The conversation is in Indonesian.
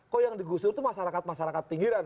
kok yang digusur itu masyarakat masyarakat pinggiran